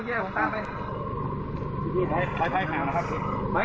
เอาลงไหน